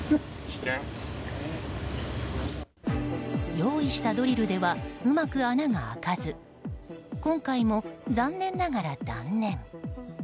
用意したドリルではうまく穴が開かず今回も残念ながら断念。